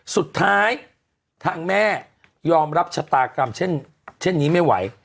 สุดท้ายทางแม่ยอมรับชะตากรรมเช่นนี้ไม่ไหว